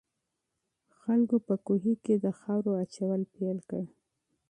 خلکو په کوهي کې د خاورو اچول پیل کړل.